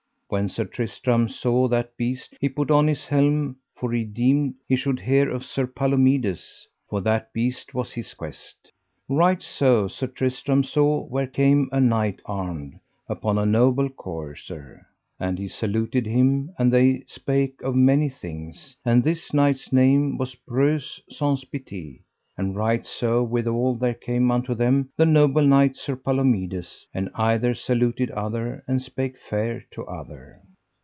When Sir Tristram saw that beast he put on his helm, for he deemed he should hear of Sir Palomides, for that beast was his quest. Right so Sir Tristram saw where came a knight armed, upon a noble courser, and he saluted him, and they spake of many things; and this knight's name was Breuse Saunce Pité. And right so withal there came unto them the noble knight Sir Palomides, and either saluted other, and spake fair to other.